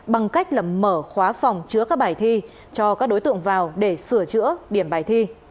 bằng cách là mở khóa phòng chứa các bài thi cho các đối tượng vào để sửa chữa điểm bài thi